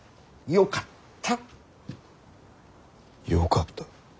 よかった？